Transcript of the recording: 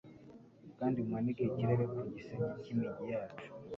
Kandi umanike ikirere ku gisenge cy'imijyi yacu